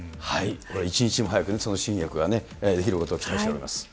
一日も早くその新薬ができることを期待しております。